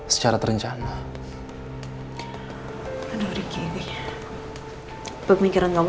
tuh bigor dengan aku